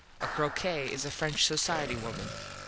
A croquette is a French society woman.